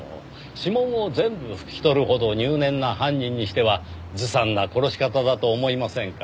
指紋を全部拭き取るほど入念な犯人にしてはずさんな殺し方だと思いませんか？